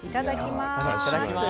いただきます。